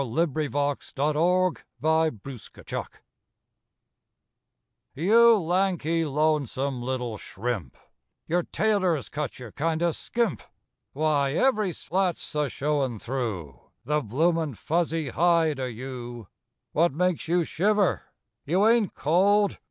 Mint Mtobblu iMtnk iEufb ICtUle Mflup □ You lanky, lonesome little shrimp, Your tailors cut you kind o' skimp! Wye, every slat's a showin' through The bloomin' fuzzy hide o' you. What makes you shiver? You ain't cold!